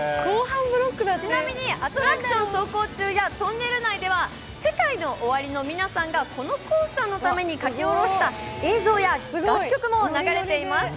ちなみにアトラクション走行中やトンネル中では、ＳＥＫＡＩＮＯＯＷＡＲＩの皆さんがこのコースターのために書き下ろした映像や楽曲も流れています。